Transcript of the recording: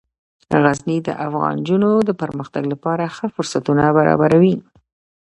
غزني د افغان نجونو د پرمختګ لپاره ښه فرصتونه برابروي.